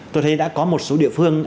tôi thấy đã có một số địa phương